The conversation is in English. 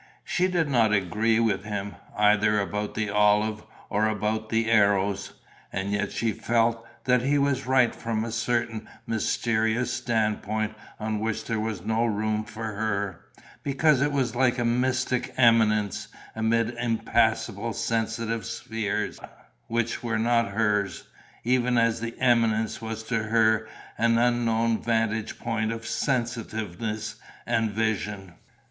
She did not agree with him, either about the olive or about the Eros; and yet she felt that he was right from a certain mysterious standpoint on which there was no room for her, because it was like a mystic eminence amid impassable sensitive spheres which were not hers, even as the eminence was to her an unknown vantage point of sensitiveness and vision.